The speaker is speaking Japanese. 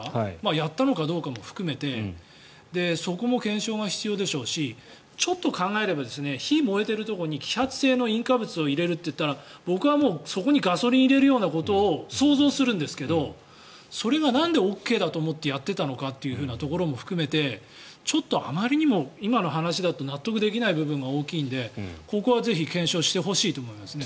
やったのかどうかも含めてそこも検証が必要でしょうしちょっと考えれば火が燃えているところに揮発性の引火物を入れるといったら僕はもうそこにガソリンを入れるようなことを想像するんですがそれがなんでＯＫだと思ってやっていたのかということも含めてちょっとあまりにも、今の話だと納得できない部分が大きいのでここはぜひ検証してほしいと思いますね。